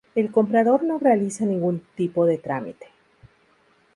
El comprador no realiza ningún tipo de trámite.